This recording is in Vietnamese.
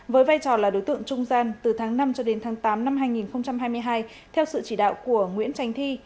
với vai trò là đối tượng trung gian từ tháng năm cho đến tháng tám năm hai nghìn hai mươi hai theo sự chỉ đạo của nguyễn tránh thi